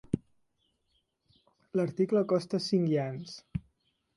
L'article costa cinc iens.